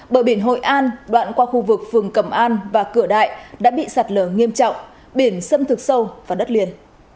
bờ biển hội an đoạn qua khu vực phường cẩm an và cửa đại đã bị sạt lở nghiêm trọng biển xâm thực sâu vào đất liền